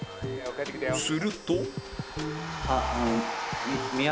すると